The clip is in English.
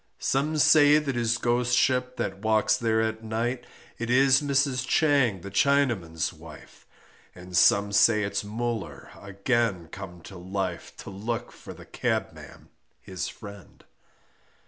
Some say that his Ghostship that walks there at night, It is Mrs. Chang the Chinaman's wife, And some say it's Muller again come to life, To look for the cabman his friend.